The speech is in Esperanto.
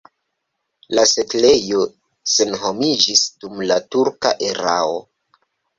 La setlejo senhomiĝis dum la turka erao.